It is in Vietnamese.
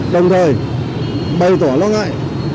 đồng thời bày tỏ lo ngại